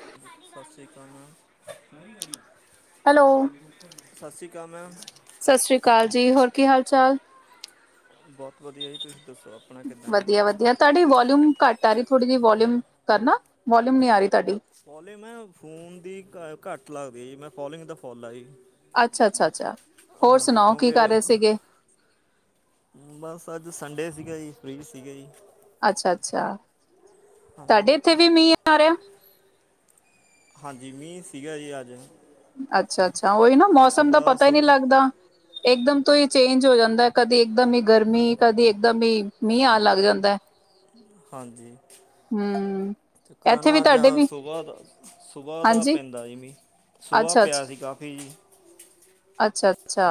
ਸਤਿ ਸ਼੍ਰੀ ਅਕਾਲ ਹੈਲੋ। ਸਤਿ ਸ਼੍ਰੀ ਅਕਾਲ ਮੈਮ ਸਤਿ ਸ਼੍ਰੀ ਅਕਾਲ ਜੀ ਹੋਰ ਕੀ ਹਾਲ ਚਾਲ ਬਹੁਤ ਵਧੀਆ ਜੀ ਤੁਸੀਂ ਦੱਸੋ ਆਪ ਵਧੀਆ ਵਧੀਆ ਤੁਹਾਡੀ ਵੋਿਊਮ ਘੱਟ ਆ ਰਹੀ ਥੋੜ੍ਹੀ ਜਿਹੀ ਵੋਿਊਮ ਕਰਨਾ ਵੋਿਊਮ ਨਹੀਂੀ ਆ ਰਹੀ ਤੁਹਾਡੀ ਫੋਲਿੰ ਮੈਂ ਫੋਨ ਦੀ ਘੱਟ ਲੱਗਦੀ ਜ ਮੈਂ ਫੋਲਿੰਗ ਦਾ ਫੋਲ ਆ ਜੀ ਅੱਛਾ ਅੱਛਾ ਅੱਛਾ ਹੋਰ ਹਾਂਜੀ ਸੁਣਾਓ ਕੀ ਕਿਉਂਕਿ ਕਰ ਰਹੇ ਸੀਗੇ ਬਸ ਅੱਜ ਸੰਡੇ ਸੀਗਾ ਜੀ ਫ੍ਰਿਜ ਸੀਗੇ ਜੀ ਅੱਛਾ ਅੱਛਾ ਹਾਂਜੀ ਤੁਹਾਡੇ ਇੱਥੇ ਵੀ ਮੀਂਹ ਆ ਰਿਹਾ ਹਾਂਜੀ ਮੀਂਹ ਸੀਗਾ ਜੀ ਅੱਜ ਅੱਛਾ ਅੱਛਾ ਉਹੀ ਨਾ ਮੌਸਮ ਦਾ ਸਵੇਰ ਪਤਾ ਹੀ ਨਹੀਂੀ ਸੁਬਹ ਲੱਗਦਾ ਇਕਦਮ ਤੋਂ ਹੀ ਚੇਂਜ ਹੋ ਜਾਂਦਾ ਕਦੀ ਇੱਕਦਮ ਹੀ ਗਰਮੀ ਕਦੀ ਇੱਕਦਮ ਹੀ ਮੀਂਹ ਆ ਲੱਗ ਜਾਂਦਾ ਹਾਂਜੀ ਹਮ ਤੇ ਕਰਰਾਨਾ ਜਾਹਾ ਸੁਬਾਹ ਦਾ ਸੁਬਾਹ ਦਾ ਹਾਂਜੀ, ਪੈਂਦਾ ਜਿਮੀਂ ਸੁਬਾਹ ਅੱਛਾ ਅੱਛਾ ਪਿਆ ਸੀ ਕਾਫੀ ਜੀ ਅੱਛਾ ਅੱਛਾ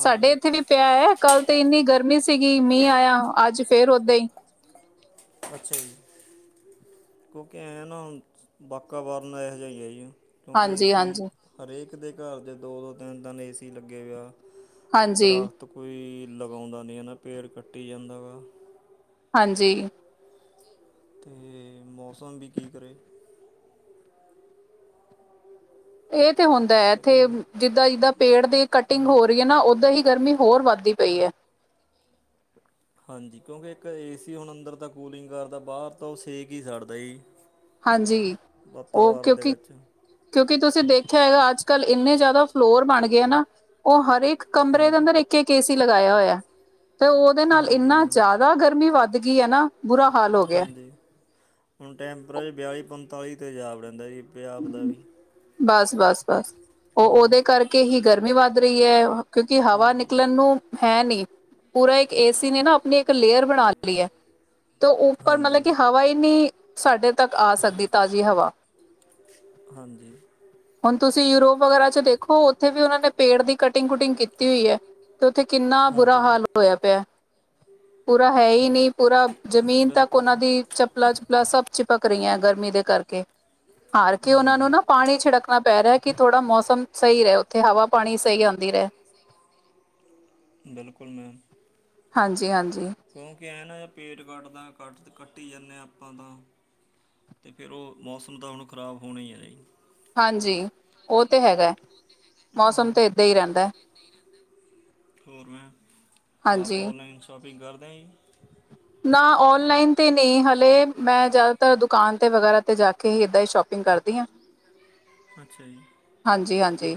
ਸਾਡੇ ਇੱਥੇ ਵੀ ਪਿਆ ਹੈ ਕੱਲ ਤੇ ਇੰਨੀ ਗਰਮੀ ਸੀਗੀ ਮੀਂਹ ਆਇਆ ਅੱਜ ਫੇਰ ਓਦਾਂ ਹੀ ਅੱਛਾ ਜੀ ਕਿਉਂਕਿ ਐਂ ਨਾ ਹੁਣ ਵਕਵਰਨ ਇਹੋ ਜਿਹਾ ਹੀ ਹੈ ਜੀ ਕਿਉਂਕਿ ਏ ਹਾਂਜੀ, ਸੀ ਹਾਂਜੀ, ਹਰੇਕ ਦੇ ਘਰ ਦੇਚ ਦੋ ਦੋ ਤਿੰਨ ਦਿਨ ਏ ਸੀ ਲੱਗੇ ਹੋਏ ਆ ਹਾਂਜੀ, ਦਰੱਖਤ ਕੋਈ ਲਗਾਉਂਦਾ ਨਹੀਂ ਹੈ ਨਾ ਪੇੜ ਕੱਟੀ ਜਾਂਦਾ ਗਾ ਹਾਂਜੀ ਤੇ ਮੌਸਮ ਵੀ ਕੀ ਕਰੇ ਇਹ ਤੇ ਹੁੰਦਾ ਹੈ ਇੱਕ ਇੱਥੇ ਨਹੀਂ ਗਾ ਜਿੱਦਾਂ ਜਿੱਦਾਂ ਪੇੜ ਦੀ ਹਾਂ ਕਟਿੰਗ ਹੋ ਰਹੀ ਹੈ ਨਾ ਉਓਦਾਂ ਹੀ ਗਰਮੀ ਹੋਰ ਵੱਧਦੀ ਪਈ ਹੈ ਹਾਂਜੀ ਕਿਉਂਕਿ ਇੱਕ ਏ ਸੀ ਹੁਣ ਅੰਦਰ ਦਾ ਕੂਲਿੰਗ ਕਰਦਾ ਬਾਹਰ ਤਾਂ ਉਹ ਸੇਕ ਹੀ ਸੜਦਾ ਜੀ ਹਾਂਜੀ, ਉਹ ਵਾਤਾਵਰਨ ਦੇ ਕਿਉਂਕਿ ਵਿੱਚ ਕਿਉਂਕਿ ਤੁਸੀਂ ਦੇਖਿਆ ਹੈਗਾ ਅੱਜ ਕੱਲ੍ਹ ਇੰਨੇ ਜ਼ਿਆਦਾ ਫਲੋਰ ਬਣ ਗਏ ਨਾ ਉਹ ਹਰੇਕ ਕਮਰੇ ਦੇ ਹਾਂਜੀ ਅੰਦਰ ਇੱਕ ਇੱਕ ਏ ਸੀ ਲਗਾਇਆ ਹੋਇਆ ਤੇ ਉਹਦੇ ਨਾਲ ਹਾਂਜੀ ਇੰਨਾ ਮੈਮ ਜ਼ਿਆਦਾ ਗਰਮੀ ਵੱਧ ਗਈ ਹੈ ਨਾ ਬੁਰਾ ਹਾਲ ਹੋ ਗਿਆ। ਹਾਂਜੀ ਹੁਣ ਟੈਂਪਰੇਚ ਬਿਆਲੀ ਪੰਤਾਲੀ 'ਤੇ ਜਾਾਬ ਰਹਿੰਦਾ ਜੀ ਪੰਜ ਆਪ ਦਾ ਵੀ ਬਸ ਬਸ ਬਸ ਉਹ ਹਾਂਜੀ ਉਹਦੇ ਕਰਕੇ ਹੀ ਗਰਮੀ ਵੱਧ ਰਹੀ ਹੈ ਕਿਉਂਕਿ ਹਵਾ ਹਾਂਜੀ ਨਿਕਲਣ ਨੂੰ ਹੈ ਨਹੀਂ ਪੂਰਾ ਇੱਕ ਏਸੀ ਨੇ ਨਾ ਆਪਣੀ ਇੱਕ ਲੇਅਰ ਬਣਾ ਲਈ ਹੈ ਤੇ ਉੱਪਰ ਮਤਲਬ ਹਾਂਜੀ ਕਿ ਹਵਾ ਇਨੀ ਸਾਡੇ ਤੱਕ ਆ ਸਕਦੀ ਤਾਜ਼ੀ ਹਵਾ ਹਾਂਜੀ ਹੁਣ ਤੁਸੀਂ ਯੂਰੋਪ ਵਗੈਰਾ ਚ ਦੇਖੋ ਉੱਥੇ ਵੀ ਉਹਨਾਂ ਨੇ ਪੇੜ ਦੀ ਕਟਿੰਗ ਕੁਟਿੰਗ ਕੀਤੀ ਹੋਈ ਹੈ ਤੇ ਉੱਥੇ ਕਿੰਨਾ ਬੁਰਾ ਹਾਂਜੀ ਹਾਲ ਹੋਇਆ ਪਿਆ ਪੂਰਾ ਹੈ ਹੀ ਨਹੀਂ ਪੂਰਾ ਜ਼ਮੀਨ ਤੱਕ ਬਿਲਕੁਲ ਉਹਨਾਂ ਜੀ ਦੀ ਚੱਪਲਾਂ ਚੁੱਪਲਾਾਂ ਸਭ ਚਿਪਕ ਰਹੀਆਂ ਗਰਮੀ ਦੇ ਕਰਕੇ ਹਾਰ ਕੇ ਉਹਨਾਂ ਨੂੰ ਹਾਂਜੀ ਨਾ ਪਾਣੀ ਛਿੜਕਣਾ ਪੈ ਰਿਹਾ ਕਿ ਥੋੜ੍ਹਾ ਮੌਸਮ ਸਹੀ ਰਹਾ ਉੱਥੇ ਹਵਾ ਪਾਣੀ ਸਹੀ ਆਉਂਦੀ ਰਹੇ ਬਿਲਕੁਲ ਮੈਮ ਹਾਂਜੀ ਹਾਂਜੀ ਕਿਉਂਕਿ ਇਹ ਨਾ ਪੇਟ ਕੱਟਦਾ ਕੱਟ ਕੱਟ ਹੀ ਜਾਂਦੇ ਹਾਂ ਆਪਾਂ ਤਾਂ ਅਤੇ ਫਿਰ ਉਹ ਮੌਸਮ ਤਾਂ ਹੁਣ ਖ਼ਰਾਬ ਹੋਣਾ ਹੀ ਹੈ ਜ ਜੀ ਹਾਂਜੀ ਉਹ ਤਾਂ ਹੈਗਾ ਮੌਸਮ ਹਾਂਜੀ ਤਾਂ ਇੱਦਾਂ ਹੀ ਰਹਿੰਦਾ ਠਰ ਮੈਂ ਆਪ ਹਾਂਜੀ ਔਨਲਾਈਨ ਸ਼ੋਪਿੰਗ ਕਰਦੇ ਜੀ ਨਾ ਔਨਲਾਈਨ ਤੇ ਨਹੀਂ ਹਾਲਲੇ ਮੈਂ ਜ਼ਿਆਦਾਤਰ ਦੁਕਾਨ ਤੇ ਵਗੈਰਾ ਤੇ ਜਾ ਕੇ ਹੀ ਇੱਦਾਂ ਹੀ ਸ਼ੋਪ ਿੰਗ ਕਰਦੀ ਹਾਂ ਅੱਛਾ ਜੀ ਹਾਂਜੀ ਹਾਂਜੀ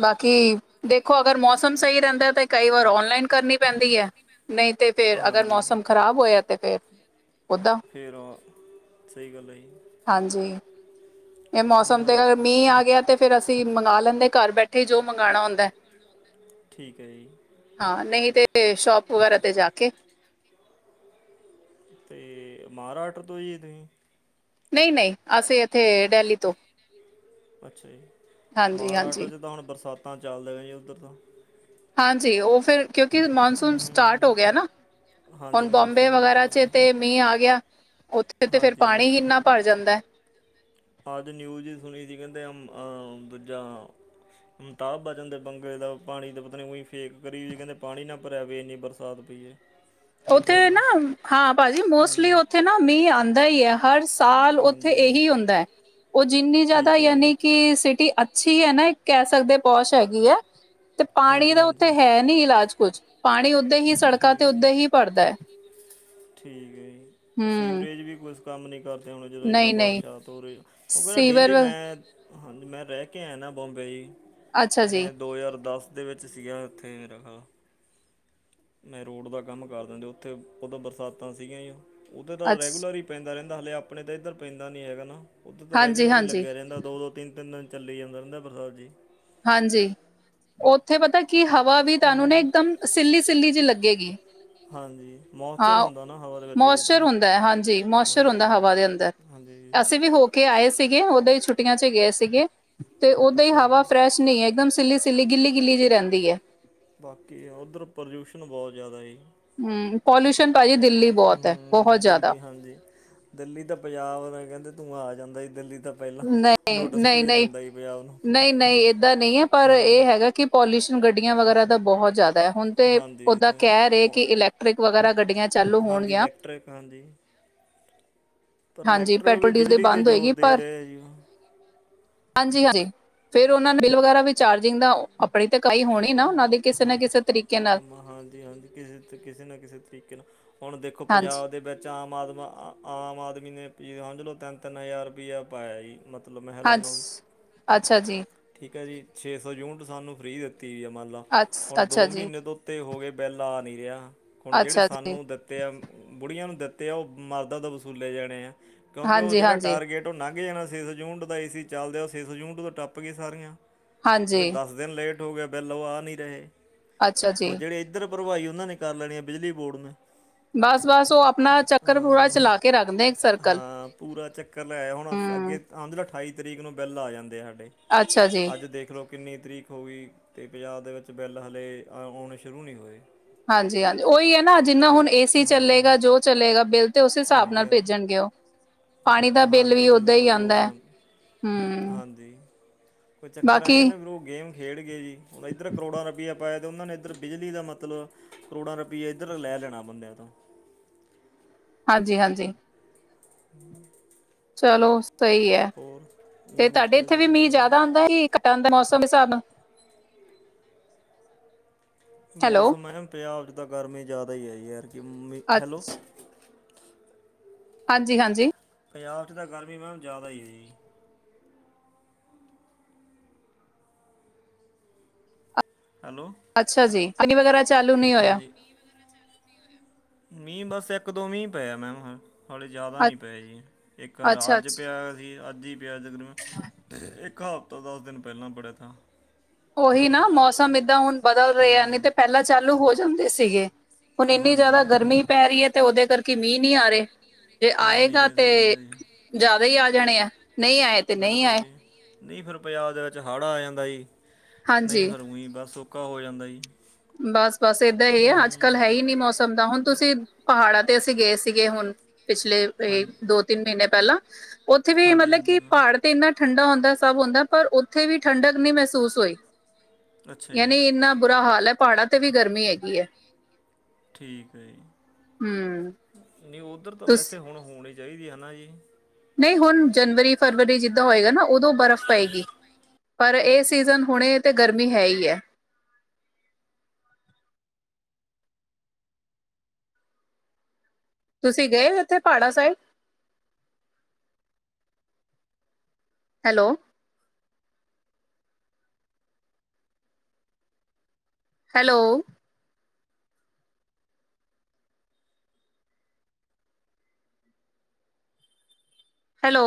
ਬਾਕੀ ਦੇਖੋ ਅਗਰ ਮੌਸਮ ਮੌਸਮ ਸਹੀ ਰਹਿੰਦਾ ਤੇ ਕਈ ਵਾਰ ਔਨਲਾਈਨ ਕਰਨੀ ਪੈਂਦੀ ਹੈ ਨਹੀਂ ਤੇ ਫੇਰ ਅਗਰ ਹਾਂਜੀ ਮੌਸਮ ਖ਼ਰਾਬ ਹੋਇਆ ਫ ਫਿਰਿਰ ਸਹੀ ਗੱਲਾਂ ਜੀ ਹਾਂਜੀ ਇਹ ਉਹਨੇ ਮੌਸਮ ਉਹ ' ਅ ਮੀਂਹ ਆ ਗਿਆ ਤੇ ਫੇਿਰ ਅਸੀਂ ਮੰਗ ਲੈਂਦੇ ਘਰ ਬੈਠੇ ਜੋ ਮੰਗਵਾਉਣਾ ਹੁੰਦਾ ਹੈ ਠੀਕ ਹੈ ਜੀ ਹਾਂ ਨਹੀਂ ਤਾਂ ਸ਼ੋਪ ਵਗੈਰਾ 'ਤੇ ਜਾ ਕੇ ਤੇ ਮਹਾਰਾਸ਼ਟਰ ਤੋਂ ਜੀ ਤੁਸੀਂ ਨਹੀਂ ਨਹੀਂ ਅਸੀਂ ਇੱਥੇ ਡੇਲੀ ਤੋਂ ਅੱਛਾ ਜੀ ਹਾਂਜੀ ਹਾਂਜੀ ਮਹਾਰਾਸ਼ਟਰ 'ਚ ਤਾਂ ਹੁਣ ਬਰਸਾਤਾਂ ਚੱਲਦਾ ਹੈ ਜੀ ਉੱਧਰ ਤਾਂ ਹਾਂਜੀ ਉਹ ਫਿਰ ਕਿਉਂਕਿ ਮਨਸੂਨ ਸਟਾਰਟ ਹੂੰ ਹੋ ਗਿਆ ਨਾ ਹਾਂਜੀ ਹੁਨ ਬੋਮਬੇ ਮੌਨਸੂਨ ਵੀ ਵਗੈਰਾ ਚੱਲਦਾ ਚ ਹੈ। ਤੇ ਮੀਹ ਆ ਗਿਆ ਉੱਥੇ ਤੇ ਫੇਰ ਹਾਂਜੀ ਪਾਣੀ ਇੰਨਾ ਭਰ ਜਾਂਦਾ ਅੱਜ ਨਿਊਜ਼ ਸੁਣੀ ਸੀ ਕਹਿੰਦੇ ਅਹ ਦੂਜਾ ਹਮਤਾਬ ਬਚ ਜਾਂਦੇ ਬੰਗਰੇ ਦਾ ਪਾਣੀ ਤਾਂ ਪਤਾ ਨਹੀਂ ਉਂ ਫੇਕ ਕਰੀ ਵੀ ਕਹਿੰਦੇ ਪਾਣੀ ਨਾ ਭਰਿਆ ਪਵੇ ਇੰਨੀ ਬਰਸਾਤ ਪਈਏ [unintelligible] ਉੱਥੇ ਨਾ ਹਾਂ ਭਾਜੀ ਮੋਸਟਲੀ ਹਮ, ਉੱਥੇ ਨਾ ਮੀਂਹ ਆਉਂਦਾ ਹੀ ਆ ਹਰ ਸਾਲ ਉੱਥੇ ਹਾਂਜੀ ਇਹੀ ਹੁੰਦਾ ਹੈ ਉਹ ਜਿੰਨੀ ਜਿਆਦਾ ਠੀਕ ਹੈ ਜੀ ਯਾਨੀ ਕਿ ਸਿਟੀ ਅੱਛੀ ਹੈ ਨਾ ਇੱਕ ਕਹਿ ਸਕਦੇ ਪੋਸ਼ ਹੈਗੀ ਹੈ ਤੇ ਪਾਣੀ ਹਾਂਜੀ ਤਾਂ ਉੱਥੇ ਹਾਂਜੀ ਹੈ। ਨਹੀਂ ਇਲਾਜ ਕੁਝ ਪਾਣੀ ਉੱਦੇ ਹੀ ਸੜਕਾਂ ਠੀਕ ਤੇ ਹੈ ਜੀ, ਉੱਦਾਂ ਹੀ ਭਰਦਾ ਹੈ ਠੀਕ ਹੈ ਜੀ ਹਮ ਸੀਵਰੇਜ ਵੀ ਕੁਛ ਕੰਮ ਨਹੀਂ ਕਰਦੇ ਹੁਣੇ ਜਦੋਂ ਇੰਨਾ ਨਹੀਂ ਨਹੀਂ ਬਰਸ਼ਾਤ ਹੋ ਰਹੀ ਕਿਉਂਕਿ ਨਾ ਸੀਵਰ ਡੇਲੀ ਮੈਂ ਹਾਂਜੀ ਮੈਂ ਰਹਿ ਕੇ ਆਇਆ ਨਾ ਬੋਮਬੇ ਜੀ ਅੱਛਾ ਜੀ ਮੈਂ ਦੋ ਹਜ਼ਾਰ ਦਸ ਦੇ ਵਿੱਚ ਸੀਗਾ ਉੱਥੇ ਮੇਰਾ ਖਾਲ ਮੈਂ ਰੋਡ ਦਾ ਕੰਮ ਕਰ ਦਿੰਦੇ ਉੱਥੇ ਉਹਦ ਬਰਸਾਤਾਂ ਸੀਗੀਆਂ ਹੀ ਉਹਦੇ ਤਾਂ ਅੱਛ ਰੈਗੂਲਰ ਹੀ ਪੈਂਦਾ ਰਹਿੰਦਾ ਹਲੇੇ ਆਪਣੇ ਤਾਂ ਇੱਧਰ ਪੈਂਦਾ ਨੀ ਹੈਗਾ ਨਾ ਉੱਧਰ ਤਾਂ ਹਾਂਜੀ ਰੈਗੂਲਰ ਹੀ ਹਾਂਜੀ ਲੱਗਿਆ ਰਹਿੰਦਾ ਦੋ ਦੋ ਤਿੰਨ ਤਿੰਨ ਦਿਨ ਚੱਲ ਹੀ ਜਾਂਦਾ ਰਹਿੰਦਾ ਜੀ ਹਾਂਜੀ ਉੱਥੇ ਪਤਾ ਕੀ ਹਵਾ ਵੀ ਤੁਹਾਨੂੰ ਨਾ ਹੂੰ ਇਕਦਮ ਸਿੱਲੀ ਸਿੱਲੀ ਜਿ ਲੱਗੇਗੀ ਹਾਂਜੀ ਮੌਇਸਚਰ ਹਾਂ ਹੁੰਦਾ ਨਾ ਹਵਾ ਦੇ ਵਿੱਚ ਜੀ ਉੱਧਰ ਮੋਸਚਰ ਹੁੰਦਾ ਹੈ ਹਾਂਜੀ ਮੋਸਚਰ ਹੁੰਦਾ ਹਾਂਜੀ ਹਵਾ ਦੇ ਅੰਦਰ ਹਾਂਜੀ। ਅਸੀਂ ਵੀ ਹੋ ਕੇ ਆਏ ਸੀਗੇ ਉਦਾਂ ਹੀ ਛੁੱਟੀਆਂ ਚ ਗਏ ਸੀਗੇ ਤੇ ਉਦਾਂ ਹੀ ਅੱਛਾ ਜੀ ਹਵਾ ਫਰੈਸ਼ ਨਹੀਂ ਏਕਦਮ ਸਿੱਲੀ ਸਿੱਲੀ ਗਿੱਲੀ ਗਿੱਲੀ ਜਿਹੀ ਰਹਿੰਦੀ ਹੈ। ਬਾਕੀ ਉੱਧਰ ਪ੍ਰਦਿਊਸ਼ਨ ਬਹੁਤ ਜ਼ਿਆਦਾ ਜੀ। ਹਮ ਪੋਲਿਊਸ਼ਨ ਭਾਜੀ ਦਿੱਲੀ ਬਹੁਤ ਹੈ ਬਹੁਤ ਹੂੰ ਜ਼ਿਆਦਾ ਦਿੱਲੀ ਹਾਂਜੀ ਦਿੱਲੀ ਤਾਂ ਪੰਜਾਬ ਕਹਿੰਦੇ ਤੂੰ ਆ ਜਾਂਦਾ ਸੀ ਦਿੱਲੀ ਤਾਂ ਪਹਿਲਾਂ ਨਹੀਂ ਨੋਟਿਸ ਨਹੀਂ ਭੇਜ ਨਹੀਂ ਦਿੰਦਾ ਜੀ ਪੰਜਾਬ ਨੂੰ ਨਹੀਂ ਨਹੀਂ ਏਦਾਂ ਨਹੀਂ ਹੈ ਪਰ ਹਾਂਜੀ ਇਹ ਹੈਗਾ ਕਿ ਪੋਲਿਊਸ਼ਨ ਗੱਡੀਆਂ ਵਗੈਰਾ ਦਾ ਬਹੁਤ ਜ਼ਿਆਦਾ ਹੈ ਹੁਣ ਤੇ ਹਾਂਜੀ ਇਹ ਓਦਾ ਤਾਂ ਕਹਿ ਰਹੇ ਹੈ। ਕਿ ਇਲੈਕਟ੍ਰਿਕ ਵਗੈਰਾ ਗੱਡੀਆਂ ਚਾਲੂ ਹਾਂਜੀ ਹੋਣਗੀਆਂ ਇਲੈਕਟ੍ਰਿਕ ਹਾਂਜੀ ਪਰ ਹਾਂਜੀ ਇਲੈਕਟਰ ਵੀ ਪੈਟਰੋਲ ਡੀਜ਼ਲ ਦੀ ਬਿਜਲੀ 'ਤੇ ਬੰਦ ਜ਼ੋਰ ਹੋਏਗੀ ਪਰ ਦੇ ਰਹੇ ਜੀ ਹਾਂਜੀ ਹਾਂਜੀ ਫੇਰ ਉਹ ਨੇ ਬਿਲ ਵਗੈਰਾ ਵੀ ਚਾਰਜਿੰਗ ਦਾ ਆਪਣੀ ਤੇ ਕਾਈ ਹੋਣੀ ਨਾ ਉਹਨਾਂ ਦੀ ਕਿਸੇ ਨਾ ਹਾਂ ਕਿਸੇ ਤਰੀਕੇ ਨਾਲ ਕੰਮ ਹਾਂਜੀ ਹਾਂਜੀ ਕਿਸੇ ਕਿਸੇ ਨਾ ਕਿਸੇ ਤਰੀਕੇ ਨਾਲ ਹੁਣ ਦੇਖੋ ਹਾਂਜੀ ਪੰਜਾਬ ਦੇ ਵਿੱਚ ਆਮ ਆਦਮ ਆਮ ਆਦਮੀ ਨੇ ਹਾਂਝ ਲੋ ਤਿੰਨ ਤਿੰਨ ਹਜ਼ਾਰ ਰੁਪਇਆ ਪਾਇਆ ਜੀ ਮਤਲਬ ਮੈਂ ਹਾਂਜੀ ਅੱਛਾ ਜੀ ਠੀਕ ਹੈ ਜੀ ਛੇ ਸੌ ਯੂਨਿਟ ਸਾਨੂੰ ਫਰੀ ਦਿੱਤੀ ਵੀ ਆ ਮੰਨ ਲਾ ਅੱਛ ਹੁਣ ਅੱਛਾ ਦੋ ਜੀ ਮਹੀਨੇ ਤੋਂ ਤੇ ਹੋ ਗਏ ਬਿੱਲ ਆ ਨਹੀਂ ਰਿਹਾ ਹੁਣ ਜਿਹੜੇ ਅੱਛਾ ਜੀ ਸਾਨੂੰ ਦਿੱ ਦਿੱਤੇ ਆ ਬੁੜੀਆਂ ਨੂੰ ਦਿੱਤੇ ਆ ਉਹ ਮਰਦ ਤੋਂ ਵਸੂਲੇ ਜਾਣੇ ਆ ਕਿਉਂਕਿ ਉਹ ਹਾਂਜੀ ਜਿਹੜਾ ਹਾਂਜੀ ਟਾਰਗੇਟ ਤੋ ਨੰਘ ਜਾਣਾ ਸੀ ਜੂਨਟ ਦਾ ਏ ਸੀ ਚੱਲਦੇ ਉਹ ਸੇਸ ਜੂਨਟ ਤੋਂ ਟੱਪ ਗਏ ਸਾਰੀਆਂ ਕਿਉਂਕਿ ਹਾਂਜੀ ਦਸ ਦਿਨ ਲੇਟ ਹੋ ਗਿਆ ਬਿੱਲ ਉਹ ਆ ਨਹੀਂ ਰਹੇ ਅੱਛਾ ਹੁਣ ਜੀ ਜਿਹੜੇ ਇੱਧਰ ਭਰਵਾਈ ਉਹਨਾਂ ਨੇ ਕਰ ਲੈਣੀ ਹੈ ਬਿਜਲੀ ਬੋਰਡ ਨੇ। ਬਸ-ਬਸ ਉਹ ਆਪਣਾ ਚੱਕਰ ਪੂਰਾ ਹਾਂ ਚਲਾ ਕੇ ਰੱਖਦੇ ਇੱਕ ਸਰਕਲ। ਹਾਂ ਪੂਰਾ ਚੱਕਰ ਲੈਆ ਹੁਣ ਹਮ ਅੱਗੇ ਆਂ ਅਠਾਈ ਤਰੀਕ ਨੂੰ ਬਿੱਲ ਆ ਜਾਂਦੇ ਸਾਡੇ ਅੱਛਾ ਜੀ ਅੱਜ ਦੇਖ ਲੋ। ਕਿੰਨੀ ਤਰੀਕ ਹੋ ਗਈ ਅਤੇ ਪੰਜਾਬ ਦੇ ਵਿੱਚ ਬਿੱਲ ਹਲੇੇ ਆ ਆਉਣੇ ਸ਼ੁਰੂ ਨਹੀਂ ਹੋਏ। ਹਾਂਜੀ-ਹਾਂਜੀ ਉਹੀ ਏ ਨਾ ਜਿੰਨਾ ਤੇ ਹੁਣ ਏ ਸੀ ਹਾਂਜੀ ਹਾਂ। ਚੱਲੇਗਾ ਜੋ ਚੱਲੇਗਾ ਬਿੱਲ ਤੇ ਉਸ ਹਿਸਾਬ ਹਾਂਜੀ ਨਾਲ ਹਾਂਜੀ ਭੇਜਣਗੇ ਉਹ ਪਾਣੀ ਦਾ ਬਿੱਲ ਹਾਂਜੀ ਵੀ ਓਦਾਂ ਹੀ ਬਿਲਕੁਲ ਜੀ ਉਹ ਆਉਂਦਾ ਹੈ। ਸਨ ਹਮ ਹਾਂਜੀ ਕੋਈ ਚੱਕਰ ਆਏਂ ਬਾਕੀ ਨਾ ਫਿਰ ਉਹ ਗੇਮ ਖੇਡ ਗਏ ਜੀ ਹੁਣ ਇੱਧਰ ਕਰੋੜਾਂ ਰੁਪਇਆ ਪਾਇਆ। ਤੇ ਉਹਨਾਂ ਨੇ ਇੱਧਰ ਬਿਜਲੀ ਦਾ ਮਤਲਬ ਕਰੋੜਾਂ ਰੁਪਈਆ ਇੱਧਰ ਲੈ ਦੇਣਾ ਬੰਦਿਆਂ ਤੋਂ। ਹਾਂਜੀ-ਹਾਂਜੀ। [unintelligible] ਚਲੋ ਸਹੀ ਹੋਰ ਤੇ ਤੁਹਾਡੇ ਨਮੀਤਾ ਇੱਥੇ ਜੀ ਵੀ ਮੀਂਹ ਕੋਈ ਜਿਆਦਾ ਆਂਦਾ ਸੀ। ਕਟਾਂਦਾ ਮੌਸਮ ਹਿਸਾਬ ਨਾਲ ਹੈਲੋ ਮੌਸਮ ਹੈ ਪੰਜਾਬ ਚ ਤਾਂ ਗਰਮੀ ਜ਼ਿਆਦਾ ਹੈ ਆਈ ਹੈ ਜਦਕਿ ਮੰਮੀ ਹੈਲੋ ਅੱਛ ਹਾਂਜੀ-ਹਾਂਜੀ। ਪੰਜਾਬ ਚ ਤਾਂ ਗਰਮੀ ਮੈਮ ਜ਼ਿਆਦਾ ਈ ਏ ਜੀ। ਹੈਲੋ- ਅੱਛਾ ਜੀ ਮੀਂਹ ਵਗੈਰਾ ਚਾਲੂ ਨਹੀਂ ਹੋਇਆ। ਹਾਂਜੀ ਮੀਂਹ ਬਸ ਇੱਕ ਦੋ ਮੀਂਹ ਪਏ ਐ ਮੈਮ ਹ। ਹੌਲੇੇ ਜ਼ਿਆਦਾ ਅੱ ਨਹੀਂ ਪਏ ਜੀ ਇੱਕ ਅੱਛਾ ਅੱਜ ਅੱਛਾ ਪਿਆ ਸੀ ਅੱਜ ਹੀ ਪਿਆ ਤਕਰੀਬਨ ਇੱਕ ਪੱਕਾ ਹਫ਼ਤਾ ਦਸ ਦਿਨ ਪਹਿਲਾਂ ਪੜਿਆਾ। ਉਹੀ ਨਾ ਮੌਸਮ ਏਦਾਂ ਹੁਣ ਬਦਲ ਰਿਹਾ ਨਹੀਂ ਹੂੰ ਤਾਂ ਪਹਿਲਾਂ ਚਾਲੂ ਹੋ ਜਾਂਦੇ ਸੀਗੇ। ਹੁਣ ਇੰਨੀ ਜ਼ਿਆਦਾ ਹਾਂਜੀ ਗਰਮੀ ਪੈ ਰਹੀ ਹੈ ਤੇ ਉਹਦੇ ਕਰਕੇ। ਕਿ ਮੀਂਹ ਨੀ ਆ ਰਹੇ ਜੇ ਤਾਂ ਨਹੀਂ ਆਏਗਾ ਰਹੀ ਤੇ ਸਹੀ ਗੱਲ ਹੈ ਜੀ ਜ਼ਿਆਦਾ ਹੀ ਆ ਜਾਣੇ ਆ' ਨਹੀਂ ਆਏ ਤੇ ਨਹੀਂ ਬਿਲਕੁਲ ਆਏ। ਜੀ ਨਹੀਂ ਫਿਰ ਪੰਜਾਬ ਦੇ ਵਿੱਚ ਹਾੜ ਆ ਜਾਂਦਾ ਈ। ਨਹੀਂ ਹਾਂਜੀ ਫਿਰ ਉਹੀ ਬਸ ਸੌਕਾਾ ਹੋ ਜਾਂਦਾ ਈ। ਬਸ-ਬਸ ਏਦਾਂ ਈ ਏ ਅੱਜ-ਕੱਲ੍ਹ ਹੈ ਹੀ ਨੀ ਮੌਸਮ ਦਾ ਹੁਣ ਤੁਸੀਂ ਪਹਾੜਾਂ ਤੇ ਅਸੀਂ ਗਏ ਸੀਗੇ ਹੁਣ। ਪਿਛਲੇ ਹਾਂ ਦੋ-ਤਿੰਨ ਮਹੀਨੇ ਪਹਿਲਾਂ। ਉੱਥੇ ਵੀ ਹਾਂਜੀ ਮਤਲਬ ਹਾਂਜੀ ਕਿ ਮੈਮ ਪਾੜ- ਤੇ ਇੰਨਾ ਠੰਡਾ ਹੁੰਦਾ ਸਭ ਹੁੰਦਾ ਪਰ ਉੱਥੇ ਵੀ ਠੰਡਕ ਨੀ ਮਹਿਸੂਸ ਹੋਈ। ਅੱਛਾ ਜੀ ਯਾਨੀ ਇੰਨਾ ਬੁਰਾ ਹਾਲ ਹੈ ਪਹਾੜਾਂ ਤੇ ਵੀ ਗਰਮੀ ਹੈਗੀ ਹੈ। ਠੀਕ ਹੈ ਜੀ। ਹਮ ਨਹੀਂ ਉੱਧਰ ਤਾਂ ਤੁਸ ਵੈਸੇ ਹੁਣ ਹੋਣੀ ਚਾਹੀਦੀ ਹੈ ਨਾ ਜੀ। ਨਹੀਂ ਹੁਣ ਜਨਵਰੀ ਫਰਵਰੀ ਜਿੱਦਾਂ ਹੋਏਗਾ ਨਾ ਉਦੋਂ ਬਰਫ਼ ਪਏਗੀ। ਪਰ ਇਹ ਸੀਜ਼ਨ ਹੁਣੇ ਤੇ ਗਰਮੀ ਹੈ ਹੀ ਐ। ਤੁਸੀਂ ਗਏ ਉੱਥੇ ਪਾੜਾ ਸਾਇਡ ਹੈਲੋ- ਹੈਲੋ ਹੈਲੋ